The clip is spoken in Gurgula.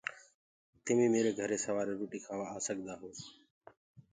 تمينٚ ميري گھري سورآري روٽي کآوآ آ سڪدآ هو۔